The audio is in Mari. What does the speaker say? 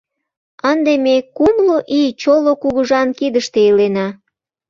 Ынде ме кумло ий чоло кугыжан кидыште илена.